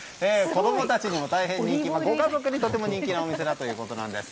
子供たちにも大変人気なんですがご家族にとても人気のお店ということです。